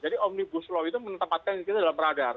jadi omnibus law itu menetapkan kita dalam radar